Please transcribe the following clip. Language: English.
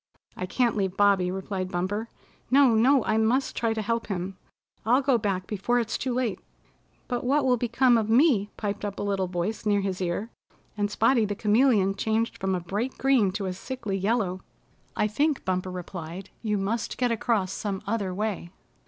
"I can't leave Bobby," replied Bumper. "No, no, I must try to help him. I'll go back before it's too late." "But what will become of me?" piped up a little voice near his ear, and Spotty the Chameleon changed from a bright green to a sickly yellow. "I think," Bumper replied, "you must get across some other way."